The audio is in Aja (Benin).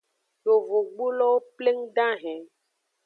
Yovogbulowo pleng dahen.